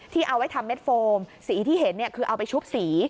เอาไว้ทำเม็ดโฟมสีที่เห็นคือเอาไปชุบสี